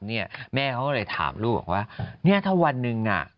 เขาเลยถามลูกว่าเนี่ยถ้าวันหนึ่ง